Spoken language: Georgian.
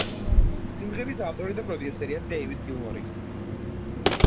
სიმღერის ავტორი და პროდიუსერია დეივიდ გილმორი.